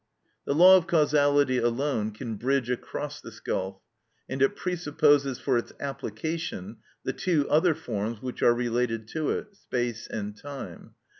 The law of causality alone can bridge across this gulf, and it presupposes for its application the two other forms which are related to it, space and time.